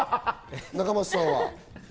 仲舛さんは。